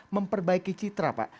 memperbaiki citra pak